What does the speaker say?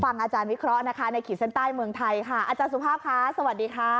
อาจารย์วิเคราะห์นะคะในขีดเส้นใต้เมืองไทยค่ะอาจารย์สุภาพค่ะสวัสดีค่ะ